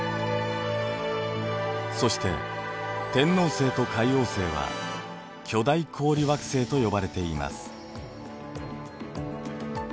そして天王星と海王星は巨大氷惑星と呼ばれています。